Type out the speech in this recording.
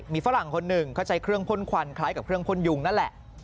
มีฝรั่งคนหนึ่งเขาใช้เครื่องพ่นควันคล้ายกับเครื่องพ่นยุงนั่นแหละ